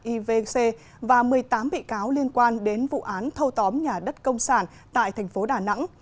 ivc và một mươi tám bị cáo liên quan đến vụ án thâu tóm nhà đất công sản tại thành phố đà nẵng